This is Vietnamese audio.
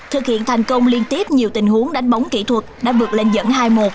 thực hiện thành công liên tiếp nhiều tình huống đánh bóng kỹ thuật đã vượt lên dẫn hai một